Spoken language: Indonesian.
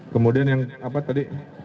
kemudian yang apa tadi